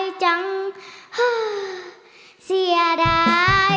เพลงเก่งของคุณครับ